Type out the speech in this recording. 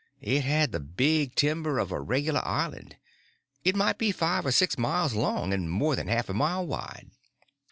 It had the big timber of a regular island; it might be five or six miles long and more than half a mile wide.